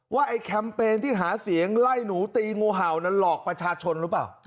ไอ้แคมเปญที่หาเสียงไล่หนูตีงูเห่านั้นหลอกประชาชนหรือเปล่า